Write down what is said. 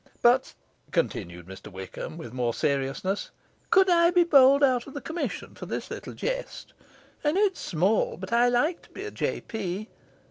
But,' continued Mr Wickham with more seriousness, 'could I be bowled out of the Commission for this little jest? I know it's small, but I like to be a JP.